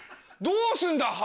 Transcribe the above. どうすんだよ！